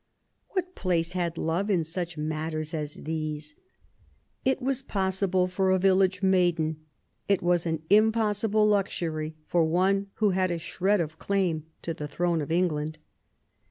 What place had love in such matters as these ? It was possible for a village maiden : it was an impossible luxury for one who had a shred of claim to the throne of England.